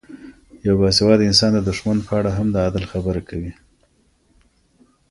یو باسواده انسان د دښمن په اړه هم د عدل خبره کوي.